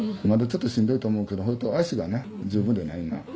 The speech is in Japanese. まだちょっとしんどいと思うけど足がね十分でないね。